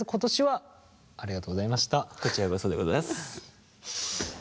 こちらこそでございます。